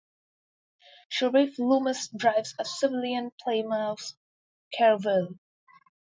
Sheriff Loomis drives a "civilian" Plymouth Caravelle.